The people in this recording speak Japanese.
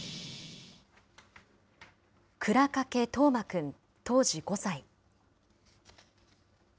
倉掛冬生くん当時５歳。